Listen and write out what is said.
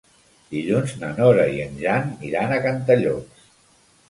Dilluns na Nora i en Jan iran a Cantallops.